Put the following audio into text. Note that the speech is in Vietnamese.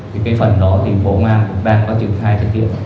thì cái phần đó thì bộ công an cũng đang có trực thai trực tiện